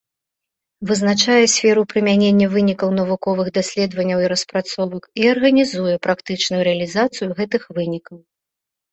Вызначае сферу прымянення вынікаў навуковых даследаванняў і распрацовак і арганізуе практычную рэалізацыю гэтых вынікаў.